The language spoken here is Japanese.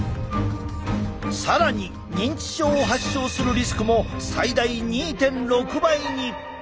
更に認知症を発症するリスクも最大２．６倍に！